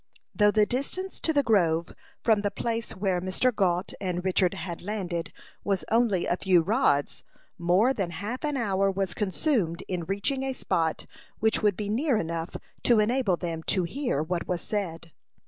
Though the distance to the grove from the place where Mr. Gault and Richard had landed was only a few rods, more than half an hour was consumed in reaching a spot which would be near enough to enable them to hear what was said.